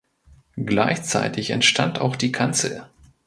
Gleichzeitig entstand auch die Kanzel.